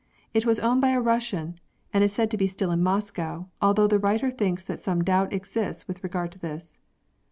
It was owned by a Russian and is said to be still in Moscow, although the writer thinks that some doubt exists with regard to this.